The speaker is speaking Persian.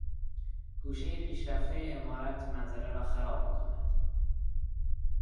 گوشهٔ پیشرفته عمارت منظره را خراب میکند.